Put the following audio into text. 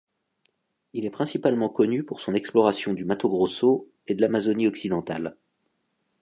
Il est principalement connu pour son exploration du Mato Grosso et de l'Amazonie occidentale.